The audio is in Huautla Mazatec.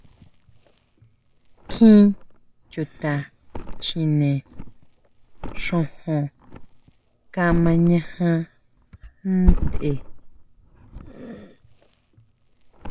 Kjín chuta chjine xojon kamañaja ntʼe.